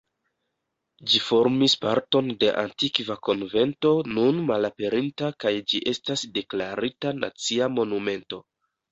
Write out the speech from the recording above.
Ĝi formis parton de antikva konvento nun malaperinta kaj ĝi estas deklarita Nacia Monumento.